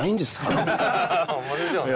ホンマですよね。